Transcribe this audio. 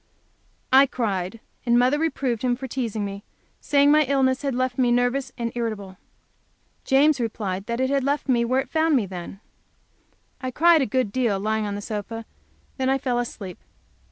I cried, and mother reproved him for teasing me, saying my illness had left me nervous and irritable. James replied that it had left me where it found me, then. I cried a good while, lying on the sofa, and then I fell asleep.